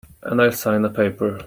And I'll sign a paper.